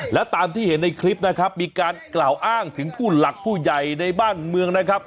แล้วตามที่เห็นในคลิปนะครับมีการกล่าวอ้างถึงผู้หลักผู้ใหญ่ในบ้านเมืองนะครับ